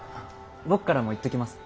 僕からも言っときます。